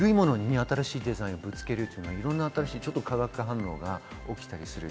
古いものに新しいデザインをくっつけるというのは、いろんな新しい化学反応が起きたりするし、